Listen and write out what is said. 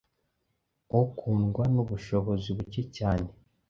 ukundwa nubushobozi buke cyane.